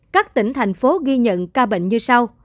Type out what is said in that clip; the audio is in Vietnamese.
các tỉnh thành phố ghi nhận ca bệnh như sau